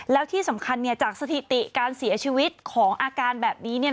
แล้วที่สำคัญจากสถิติการเสียชีวิตของอาการแบบนี้